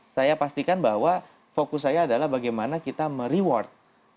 saya pastikan bahwa fokus saya adalah bagaimana kita mereward